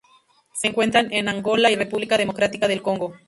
Se encuentran en Angola y República Democrática del Congo.